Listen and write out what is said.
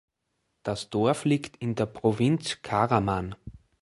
Das Dorf liegt in der Provinz Karaman.